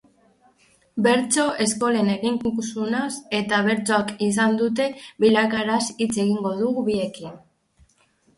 Bertso eskolen eginkizunaz eta bertsoak izan duen bilakaeraz hitz egin dugu biekin.